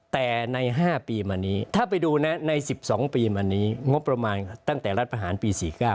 แต่ใน๕ปีมานี้ถ้าไปดูนะใน๑๒ปีมานี้งบประมาณตั้งแต่รัฐประหารปี๔๙